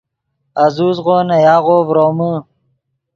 آزوزغو نے یاغو ڤرومے